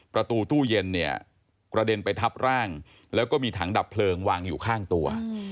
ประตูตู้เย็นเนี่ยกระเด็นไปทับร่างแล้วก็มีถังดับเพลิงวางอยู่ข้างตัว